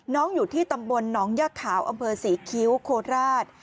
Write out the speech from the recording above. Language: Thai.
น้องอยู่ที่ตำบลน้องยากขาวอำเภอศรีคิ้วโคลดราช